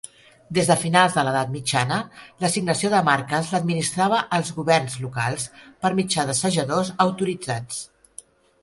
Des de finals de l'Edat Mitjana, l'assignació de marques l'administrava els governs locals per mitjà d'assajadors autoritzats.